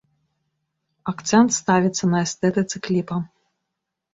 Акцэнт ставіцца на эстэтыцы кліпа.